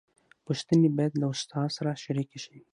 پوښتنې باید له استاد سره شریکې شي.